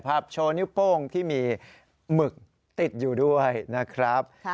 โชว์นิ้วโป้งที่มีหมึกติดอยู่ด้วยนะครับ